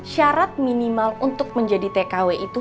syarat minimal untuk menjadi tkw itu